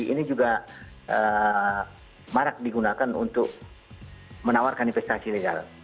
ini juga marak digunakan untuk menawarkan investasi legal